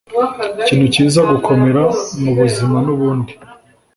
ikintu cyiza gukomera mubuzima nubundi.